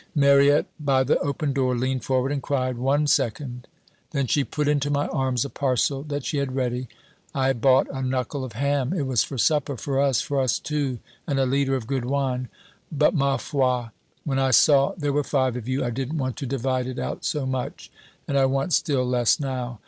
Mariette by the open door leaned forward and cried, 'One second!' "Then she put into my arms a parcel that she had ready. 'I had bought a knuckle of ham it was for supper for us for us two and a liter of good wine. But, ma foi! when I saw there were five of you, I didn't want to divide it out so much, and I want still less now.